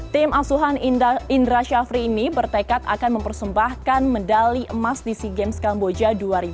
tim asuhan indra syafri ini bertekad akan mempersembahkan medali emas di sea games kamboja dua ribu dua puluh